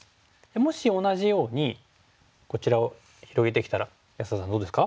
もし同じようにこちらを広げてきたら安田さんどうですか？